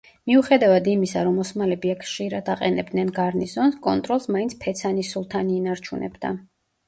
მიუხედავად იმისა, რომ ოსმალები აქ ხშირად აყენებდნენ გარნიზონს, კონტროლს მაინც ფეცანის სულთანი ინარჩუნებდა.